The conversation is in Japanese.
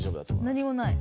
何もない。